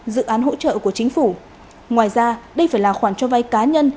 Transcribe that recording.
dự án hỗ trợ của chính phủ ngoài ra đây phải là khoản cho vay cá nhân